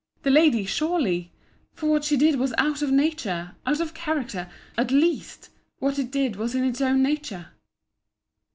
The lady, surely!—For what she did was out of nature, out of character, at least: what it did was in its own nature.